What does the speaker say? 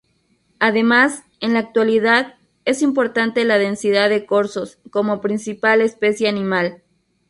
Además, en la actualidad, es importante la densidad de corzos como principal especie animal.